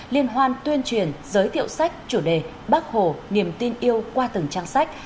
liên hoan tuyên truyền giới thiệu sách chủ đề bác hồ niềm tin yêu qua từng trang sách